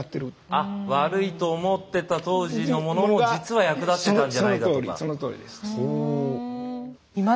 あ悪いと思ってた当時のものも実は役立ってたんじゃないかとか。